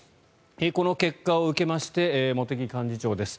この結果を受けまして茂木幹事長です。